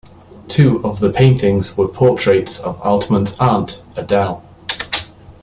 Two of the paintings were portraits of Altmann's aunt, Adele.